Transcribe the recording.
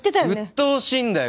うっとうしいんだよ